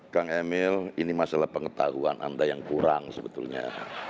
kang emil ini masalah pengetahuan anda yang kurang sebetulnya